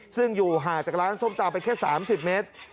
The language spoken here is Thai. ซึ่งอยู่ห่างจากร้านส้มตำไปแค่๓๐เมตร